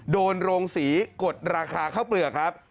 โรงศรีกดราคาข้าวเปลือกครับ